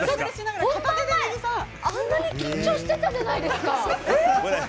あんなに緊張してたじゃないですか！